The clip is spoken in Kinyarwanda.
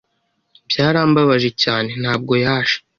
Byarambabaje cyane, ntabwo yaje.